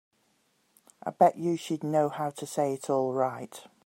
I bet you she'd know how to say it all right.